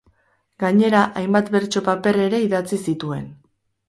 Gainera, hainbat bertso-paper ere idatzi zituen.